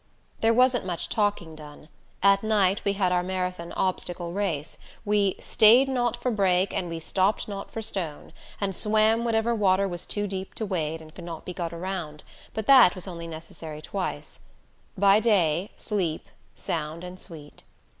There wasn't much talking done. At night we had our marathon obstacle race; we "stayed not for brake and we stopped not for stone," and swam whatever water was too deep to wade and could not be got around; but that was only necessary twice. By day, sleep, sound and sweet.